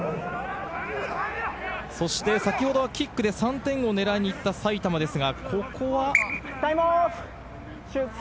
そして先ほどはキックで３点を狙いにいった埼玉ですが。